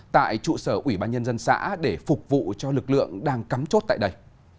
tại trụ sở ủy ban nhân dân xã để phục vụ cho lực lượng đang cắm chốt tại đây